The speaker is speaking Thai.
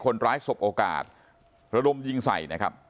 คนร้ายสบโอกาสและลมยิงใส่